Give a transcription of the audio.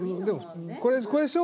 これでしょ？